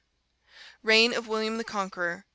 Reign of William the Conqueror.